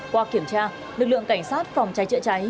qua kiểm tra lực lượng cảnh sát phòng cháy chữa cháy